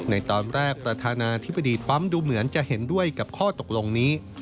ในตอนแรกประธานาธิบดีทรัมป์ดูเหมือนจะเห็นด้วยกับข้อตกลงนี้